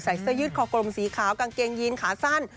เสื้อยืดคอกลมสีขาวกางเกงยีนขาสั้น